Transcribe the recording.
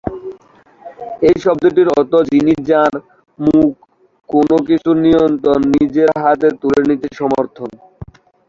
এই শব্দটির অর্থ যিনি যাঁর মুখ কোনো কিছুর নিয়ন্ত্রণ নিজের হাতে তুলে নিতে সমর্থ।